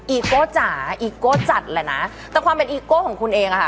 อีโก้จ๋าอีโก้จัดแหละนะแต่ความเป็นอีโก้ของคุณเองอ่ะค่ะ